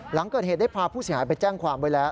หลังเกิดเหตุได้พาผู้เสียหายไปแจ้งความไว้แล้ว